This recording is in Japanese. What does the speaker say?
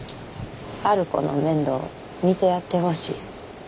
春子の面倒見てやってほしい。